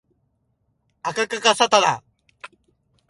あかかかさたな